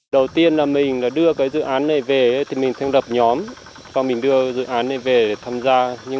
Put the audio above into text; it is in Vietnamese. đầu tiên là mình đưa cái dự án này về thì mình thành đập nhóm và mình đưa dự án này về tham gia